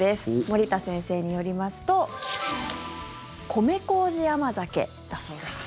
森田先生によりますと米麹甘酒だそうです。